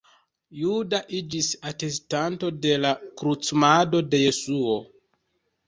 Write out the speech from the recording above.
Juda iĝis atestanto de la krucumado de Jesuo.